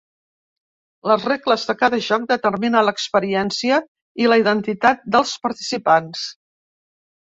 Les regles de cada joc determinen l'experiència i la identitat dels participants.